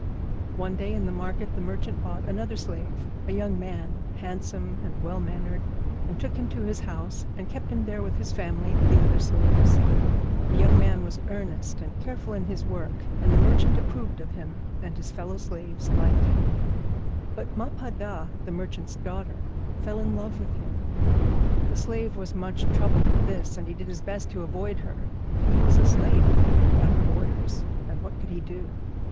One day in the market the merchant bought another slave, a young man, handsome and well mannered, and took him to his house, and kept him there with his family and the other slaves. The young man was earnest and careful in his work, and the merchant approved of him, and his fellow slaves liked him. But Ma Pa Da, the merchant's daughter, fell in love with him. The slave was much troubled at this, and he did his best to avoid her; but he was a slave and under orders, and what could he do?